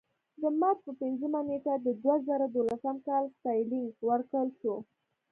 د مارچ په پنځمه نېټه د دوه زره دولسم کال ستاینلیک ورکړل شو.